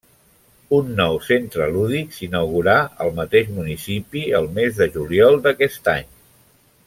Un nou centre lúdic s'inaugurà al mateix municipi el mes de juliol d'aquest any.